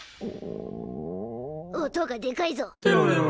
音がでかいぞ。